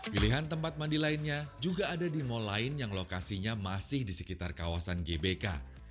pilihan tempat mandi lainnya juga ada di mal lain yang lokasinya masih di sekitar kawasan gbk